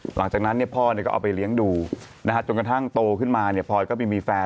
หลังจากนั้นพ่อก็เอาไปเลี้ยงดูจนกระทั่งโตขึ้นมาเนี่ยพลอยก็ไปมีแฟน